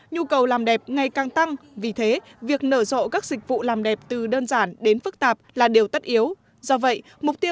nhu cầu làm đẹp ngày càng tăng vì thế việc nở rộ các dịch vụ làm đẹp từ đơn giản đến phức tạp là điều tất yếu